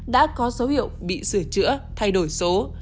đã có dấu hiệu bị sửa chữa thay đổi số